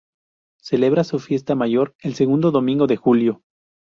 Celebra su fiesta mayor el segundo domingo de julio.